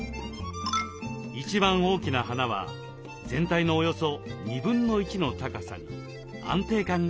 一番大きな花は全体のおよそ1/2の高さに。安定感が出ます。